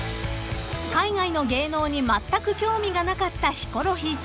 ［海外の芸能にまったく興味がなかったヒコロヒーさん］